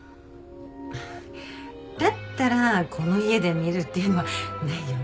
だったらこの家で見るっていうのはないよね。